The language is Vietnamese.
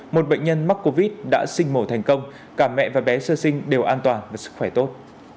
một bệnh nhân mắc covid đã sinh mổ thành công cả mẹ và bé sơ sinh đều an toàn và sức khỏe tốt